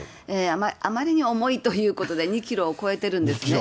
あまりに重いということで、２キロを超えてるんですね。